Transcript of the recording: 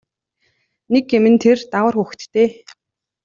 Нэг гэм нь тэр дагавар хүүхэдтэй.